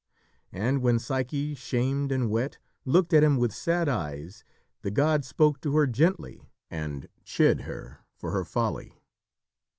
And when Psyche, shamed and wet, looked at him with sad eyes, the god spoke to her gently and chid her for her folly.